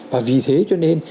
và vì thế cho nên